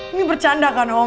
ini bercanda kan om